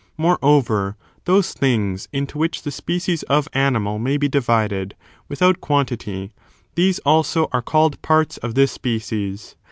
Moreover, those things into which the species of animal may be divided without quantity, these also are called parts of this species.